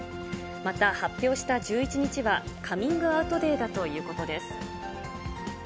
また、発表した１１日はカミングアウトデイだということです。